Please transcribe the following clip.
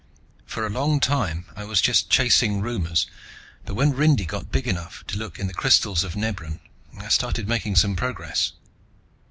For a long time I was just chasing rumors, but when Rindy got big enough to look in the crystals of Nebran, I started making some progress.